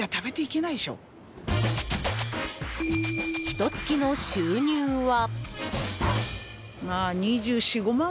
ひと月の収入は？